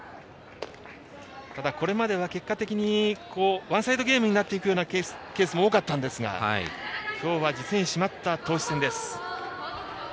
ただ、これまでは結果的にワンサイドゲームになっていくようなケースも多かったんですが今日は実に締まった投手戦です。